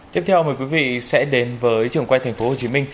tiếp theo mời quý vị sẽ đến với trường quay tp hcm